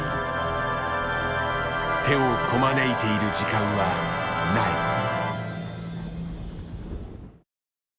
手をこまねいている時間はない。